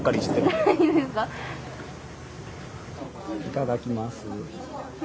いただきます。